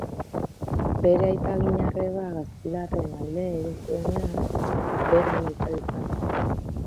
Bere aitaginarreba gaztelarren alde egin zuenean, bera neutral izan zen.